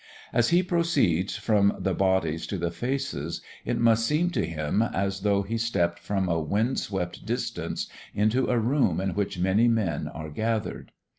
As he proceeds from the bodies to the faces it must seem to him as though he stepped from a wind swept distance into a room in which many men are gathered.